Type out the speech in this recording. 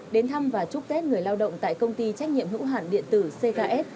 đến thăm và chúc tết người lao động tại công ty trách nhiệm hữu hạn điện tử cks